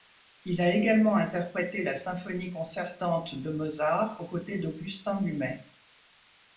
Il a également interprété la Symphonie concertante de Mozart aux côtés d'Augustin Dumay.